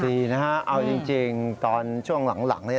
ดีนะฮะเอาจริงตอนช่วงหลัง